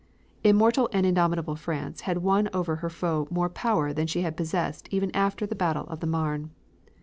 Immortal and indomitable France had won over her foe more power than she had possessed even after the battle of the Marne.